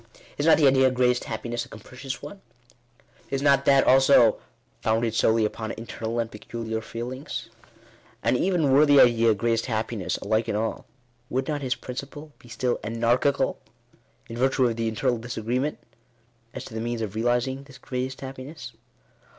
Is not the idea, " greatest happiness," a capricious one ? Is not that also "founded solely upon internal and peculiar feelings?" (See page 3.) And even were the idea "greatest happiness" alike in all, would not his principle be still " anarchical," in virtue of the infinite disagreement as to the means of realizing this "greatest happiness?"